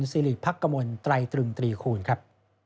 สิริพักกมลไตรตรึงตรีคูณครับ